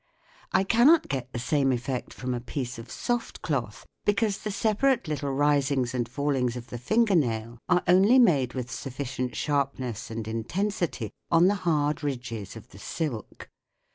I cannot get the same effect from a piece of soft el'ith, because the separate little risings and fallings <>t the tinier nail are only made with sufficient sharpness and intensity on the hard ridges of the silk.